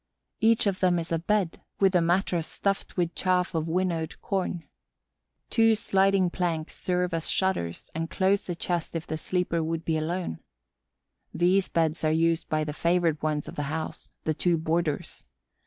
Each of them is a bed, with a mattress stuffed with chaff of winnowed corn. Two sliding planks serve as shutters and close the chest if the sleeper would be alone. These beds are used by the favored ones of the house, the two boarders.